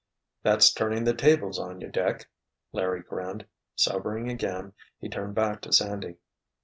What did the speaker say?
"That's turning the tables on you, Dick," Larry grinned. Sobering again he turned back to Sandy.